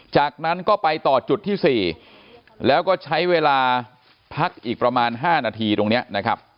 จากนั้นก็ไปต่อจุดที่๔แล้วก็ใช้เวลาพักอีกประมาณ๕นาทีตรงนี้นะครับ